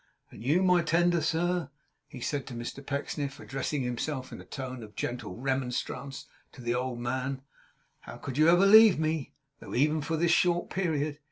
And you, my tender sir,' said Mr Pecksniff, addressing himself in a tone of gentle remonstrance to the old man, 'how could you ever leave me, though even for this short period!